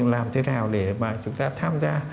làm thế nào để mà chúng ta tham gia